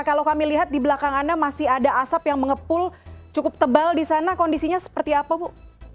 kalau kami lihat di belakang anda masih ada asap yang mengepul cukup tebal di sana kondisinya seperti apa bu